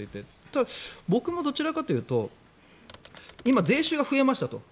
ただ、僕もどちらかというと今、税収が増えましたと。